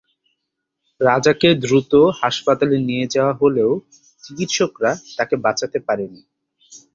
রাজাকে দ্রুত হাসপাতালে নিয়ে যাওয়া হলেও চিকিৎসকরা তাকে বাঁচাতে পারেনি।